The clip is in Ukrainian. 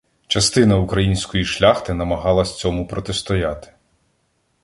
Частина української шляхти намагалась цьому протистояти.